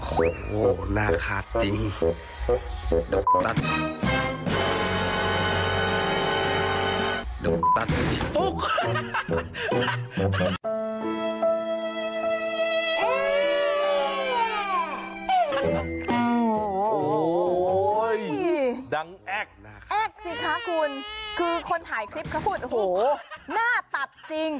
โหน่าขาดจริง